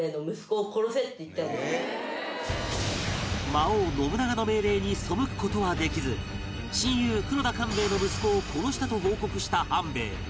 魔王信長の命令に背く事はできず親友黒田官兵衛の息子を殺したと報告した半兵衛